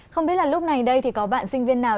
không biết là lúc này đây thì có bạn sinh viên nào